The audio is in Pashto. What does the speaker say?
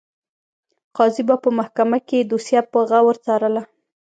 قاضي به په محکمه کې دوسیه په غور څارله.